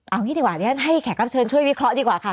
เอางี้ดีกว่าเดี๋ยวให้แขกรับเชิญช่วยวิเคราะห์ดีกว่าค่ะ